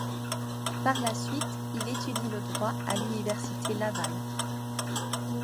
Par la suite, il étudie le droit à l'Université Laval.